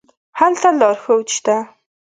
هلته لارښود شته.